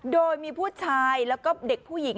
โดยมีผู้ชายแล้วก็เด็กผู้หญิง